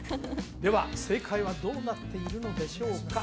では正解はどうなっているのでしょうか？